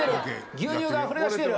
牛乳があふれ出している。